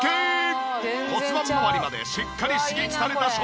骨盤まわりまでしっかり刺激された証拠。